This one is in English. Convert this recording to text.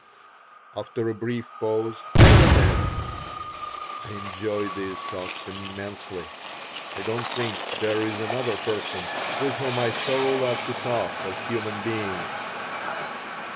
After a brief pause I said: "I enjoy these talks immensely. I don't think there is another person with whom I so love to talk of human beings."